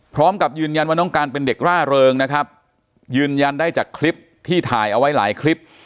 พร้อมกับยืนยันว่าน้องการเป็นเด็กร่าเริงนะครับยืนยันได้จากคลิปที่ถ่ายเอาไว้หลายคลิป